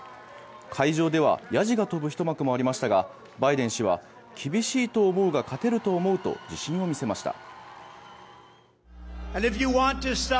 会場ではやじが飛ぶひと幕もありましたがバイデン氏は厳しいと思うが勝てると思うと自信を見せました。